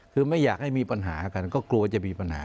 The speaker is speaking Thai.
คือไม่อยากให้มีปัญหากันก็กลัวจะมีปัญหา